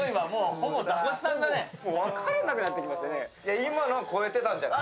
今のは超えてたんじゃない？